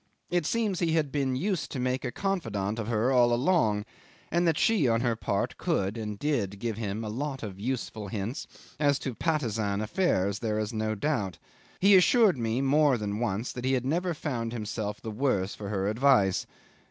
It seems he had been used to make a confidant of her all along and that she on her part could and did give him a lot of useful hints as to Patusan affairs there is no doubt. He assured me more than once that he had never found himself the worse for her advice.